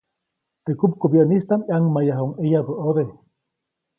Teʼ kupkubyäʼnistaʼm ʼyaŋmayjayuʼuŋ ʼeyabä ʼode.